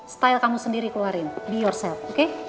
style kamu sendiri keluarin di yourself oke